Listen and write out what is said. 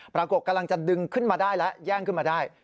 กำลังจะดึงขึ้นมาได้แล้วแย่งขึ้นมาได้